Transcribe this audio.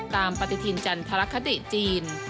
ปฏิทินจันทรคติจีน